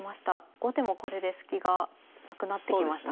後手もこれでスキがなくなってきましたか？